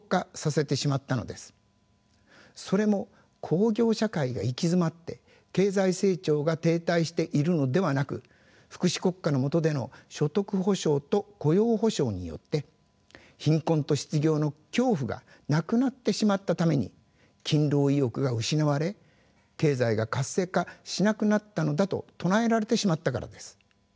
それも工業社会が行き詰まって経済成長が停滞しているのではなく福祉国家のもとでの所得保障と雇用保障によって貧困と失業の恐怖がなくなってしまったために勤労意欲が失われ経済が活性化しなくなったのだと唱えられてしまったからです。